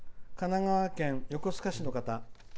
神奈川県横須賀市の方。